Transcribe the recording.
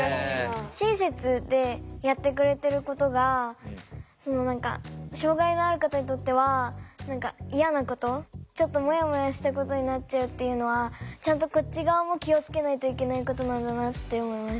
親切でやってくれてることが障害のある方にとっては何か嫌なことちょっとモヤモヤしたことになっちゃうっていうのはちゃんとこっち側も気を付けないといけないことなんだなって思いました。